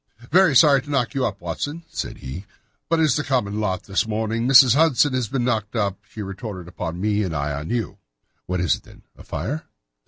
"Very sorry to knock you up, Watson," said he, "but it's the common lot this morning. Mrs. Hudson has been knocked up, she retorted upon me, and I on you." "What is it, then—a fire?"